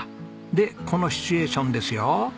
でこのシチュエーションですよ。